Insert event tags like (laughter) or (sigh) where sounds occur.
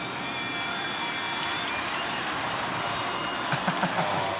ハハハ (laughs)